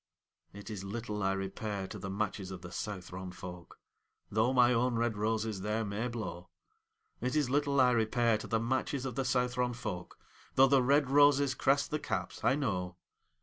It is little I repair to the matches of the Southron folk, Though my own red roses there may blow; It is little I repair to the matches of the Southron folk, Though the red roses crest the caps, I know.